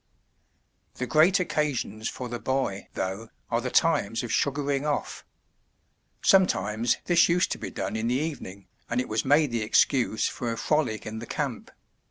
The great occasions for the boy, though, are the times of "sugaring off.'* Sometimes this used to be done in the evening and it was made the excuse for a frolic in the camp.